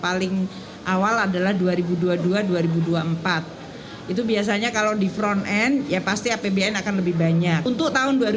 paling awal adalah dua ribu dua puluh dua dua ribu dua puluh empat itu biasanya kalau di front end ya pasti apbn akan lebih banyak untuk tahun dua ribu dua puluh